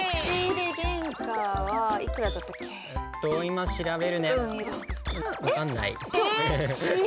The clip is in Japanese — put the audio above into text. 今調べるね。